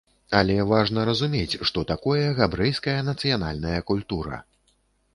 Але важна разумець, што такое габрэйская нацыянальная культура.